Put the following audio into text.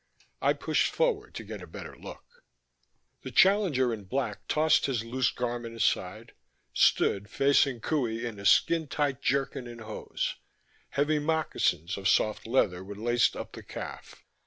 I pushed forward to get a better look. The challenger in black tossed his loose garment aside, stood facing Qohey in a skin tight jerkin and hose; heavy moccasins of soft leather were laced up the calf.